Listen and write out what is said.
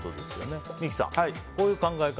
三木さん、こういう考え方